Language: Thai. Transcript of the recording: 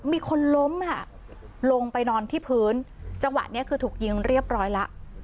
มีคนล้มอ่ะลงไปนอนที่พื้นจังหวะนี้คือถูกยิงเรียบร้อยแล้ว